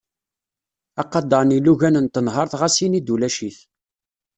Aqader n yilugan n tenhert ɣas ini-d ulac-it.